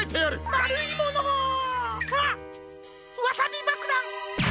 まるいもの！わワサビばくだん！？